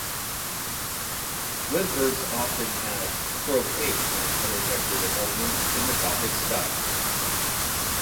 Wimpergs often had crockets or other decorative elements in the Gothic style.